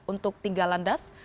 untuk tinggal landas